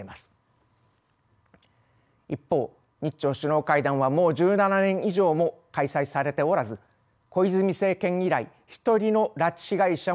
一方日朝首脳会談はもう１７年以上も開催されておらず小泉政権以来一人の拉致被害者も奪還できていません。